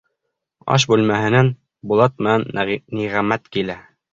Аш бүлмәһенән Булат менән Ниғәмәт килә.